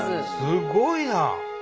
すごいな。